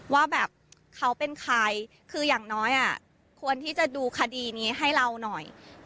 ว่าแบบเขาเป็นใครคืออย่างน้อยควรที่จะดูคดีนี้ให้เราหน่อย